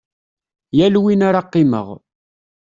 Yal win ara qqimeɣ.